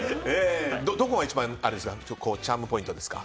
どこが一番チャームポイントですか？